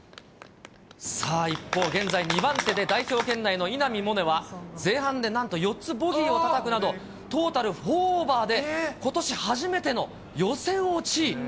さあ、一方、現在２番手で代表圏内の稲見萌寧は前半でなんと４つボギーをたたくなど、トータル４オーバーで、ことし初めての予選落ち。